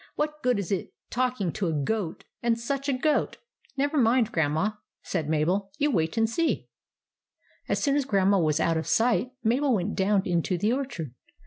"What good is it talking to a goat — and such a goat ?"" Never mind, Grandma," said Mabel. " You wait and see." As soon as Grandma was out of sight, Mabel went down into the orchard.